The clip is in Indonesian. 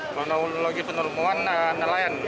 kronologi penerbuhan nelayan